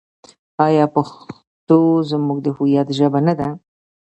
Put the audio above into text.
آیا پښتو زموږ د هویت ژبه نه ده؟